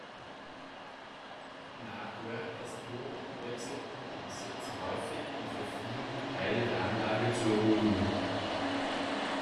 Nach Huertas Tod wechselten die Besitzer häufig und verfielen Teile der Anlage zur Ruine.